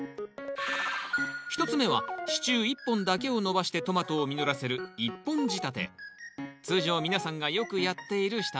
１つ目は支柱１本だけを伸ばしてトマトを実らせる通常皆さんがよくやっている仕立て方。